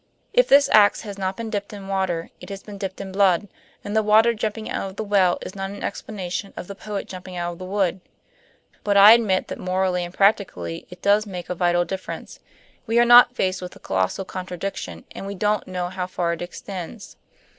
If this ax has not been dipped in water, it has been dipped in blood; and the water jumping out of the well is not an explanation of the poet jumping out of the wood. But I admit that morally and practically it does make a vital difference. We are not faced with a colossal contradiction, and we don't know how far it extends.